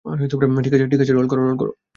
ঠিক আছে, রোল করো।